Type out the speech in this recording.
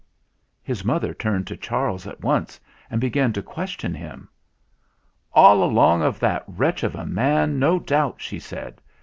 His mother turned to Charles at once and began to question him. "All along of that wretch of a man no doubt," she said.